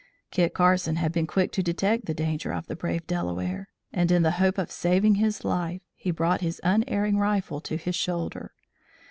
Kit Carson had been quick to detect the danger of the brave Delaware, and, in the hope of saving his life, he brought his unerring rifle to his shoulder.